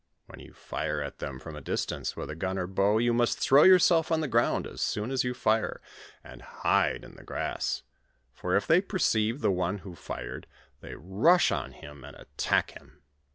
When yon fire at them from a distance with gun or bow von must throw yourself on the ground as soon as you fire, lad hide in the grass ; for, if they perceive the one who fired, they rush on him and attack him.